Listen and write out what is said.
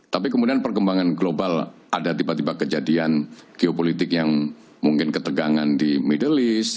tapi kemudian perkembangan global ada tiba tiba kejadian geopolitik yang mungkin ketegangan di middles